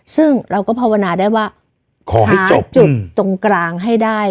ซึ่งเราก็ภาวนาได้ว่าหาจุดตรงกลางให้ได้